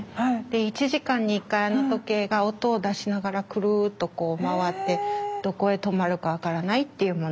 １時間に１回あの時計が音を出しながらくるっとこう回ってどこへ止まるか分からないっていうものなんですけど。